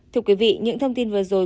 thưa quý vị những thông tin vừa rồi